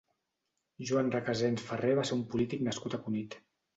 Joan Recasens Farré va ser un polític nascut a Cunit.